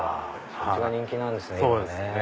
そっちが人気なんですね今ね。